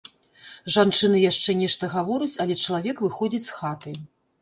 Жанчына яшчэ нешта гаворыць, але чалавек выходзіць з хаты.